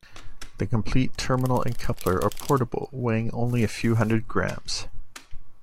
The complete terminal and coupler are portable, weighing only a few hundred grammes.